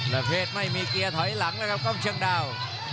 ประเภทไม่มีเกียร์ถอยหลังแล้วครับกล้องเชียงดาว